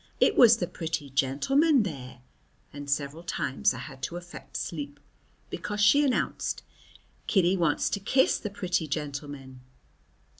"It was the pretty gentleman there," and several times I had to affect sleep, because she announced, "Kiddy wants to kiss the pretty gentleman."